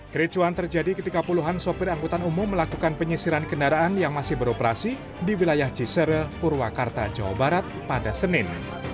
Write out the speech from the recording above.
kericuan terjadi ketika puluhan sopir angkutan umum melakukan penyisiran kendaraan yang masih beroperasi di wilayah cisere purwakarta jawa barat pada senin